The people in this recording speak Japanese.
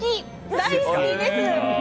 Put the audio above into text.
大好きです。